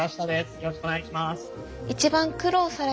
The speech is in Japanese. よろしくお願いします。